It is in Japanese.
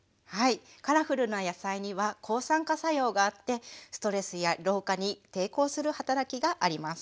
カラフルな野菜には抗酸化作用があってストレスや老化に抵抗する働きがあります。